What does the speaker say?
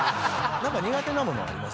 何か苦手な物あります？